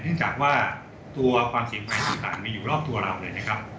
เนื่องจากว่าตัวความเสี่ยงภัยต่างมีอยู่รอบตัวเราเลยนะครับ